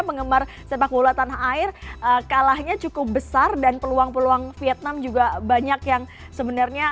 penggemar sepak bola tanah air kalahnya cukup besar dan peluang peluang vietnam juga banyak yang sebenarnya